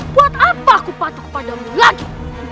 kenapa aku patuh pada dirimu lagi